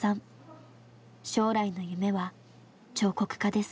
将来の夢は彫刻家です。